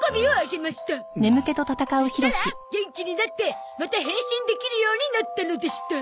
そしたら元気になってまた変身できるようになったのでした。